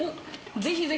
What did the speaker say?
ぜひぜひ。